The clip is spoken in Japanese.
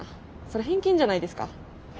それ偏見じゃないですか。